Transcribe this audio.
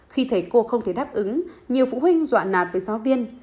khi thầy cô không thể đáp ứng nhiều phụ huynh dọa nạt với giáo viên